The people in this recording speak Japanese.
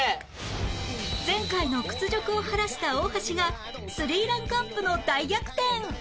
前回の屈辱を晴らした大橋が３ランクアップの大逆転